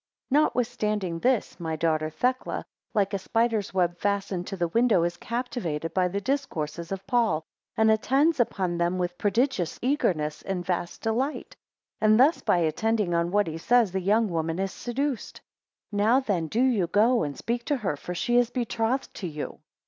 8 Notwithstanding this, my daughter Thecla, like a spider's web fastened to the window, is captivated, by the discourses of Paul, and attends' upon them with prodigious eagerness, and vast delight; and thus, by attending on what he says, the young woman is seduced. Now then do you go, and speak to her, for she is betrothed to you.